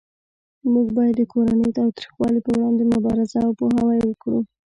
موږ باید د کورنۍ تاوتریخوالی پروړاندې مبارزه او پوهاوی وکړو